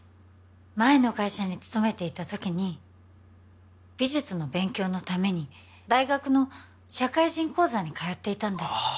前の会社に勤めていた時に美術の勉強のために大学の社会人講座に通っていたんですあ